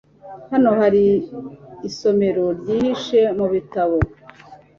Hano hari isomero ryihishe mubitabo.